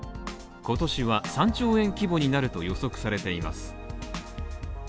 今年は３兆円規模になると予測されています。